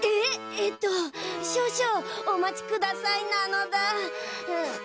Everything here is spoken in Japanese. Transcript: えっとしょうしょうおまちくださいなのだ。